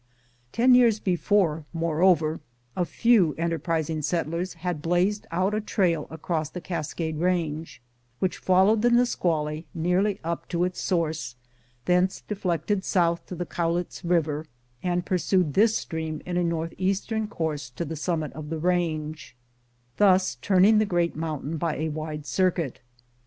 Ten years before, moreover, a few enterprising settlers had blazed out a trail across the Cascade Range, which followed the Nisqually nearly up to its source, thence deflected south to the Cowlitz River, and pursued this stream in a northeast ern course to the summit of the range, thus turning the great mountain by a wide circuit.